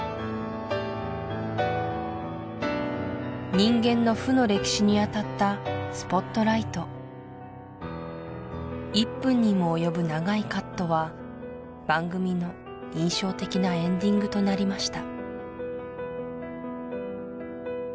人間の負の歴史に当たったスポットライト１分にも及ぶ長いカットは番組の印象的なエンディングとなりました